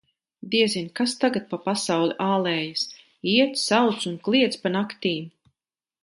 Diezin, kas tagad pa pasauli ālējas: iet, sauc un kliedz pa naktīm.